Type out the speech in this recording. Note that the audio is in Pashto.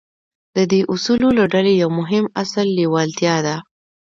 د دې اصولو له ډلې يو مهم اصل لېوالتیا ده.